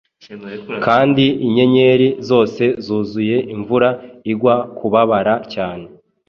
Kandi inyenyeri zose zuzuye imvura igwa kubabara cyane.